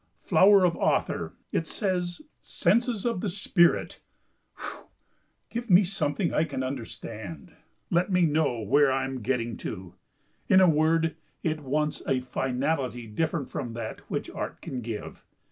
"'Flower of author,'" it says, "'Senses of the spirit!' Phew! Give me something I can understand! Let me know where I am getting to!" In a word, it wants a finality different from that which Art can give.